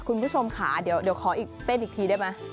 คุณผู้ชมค่ะเดี๋ยวขออีกเต้นอีกทีได้ไหม